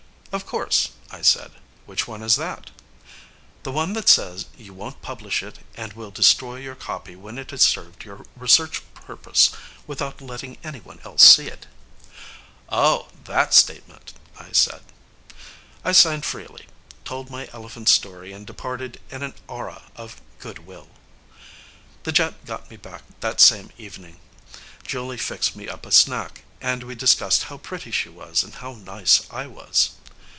"Of course," I said. "Which one is that?" "The one that says you won't publish it, and will destroy your copy when it has served your research purpose, without letting anyone else see it." "Oh, that statement," I said. I signed freely, told my elephant story and departed in an aura of good will. The jet got me back that same evening. Julie fixed me up a snack, and we discussed how pretty she was and how nice I was.